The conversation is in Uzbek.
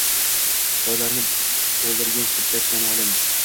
Toylarni toldirgan shiddat-shamolim